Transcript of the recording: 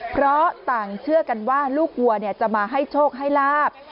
เพราะต่างเชื่อกันว่าลูกวัวจะมาให้โชคให้ลาบ